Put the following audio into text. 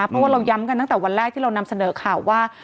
เพราะว่าเราย้ำกันตั้งแต่วันแรกที่เรานำเสนอข่าวว่า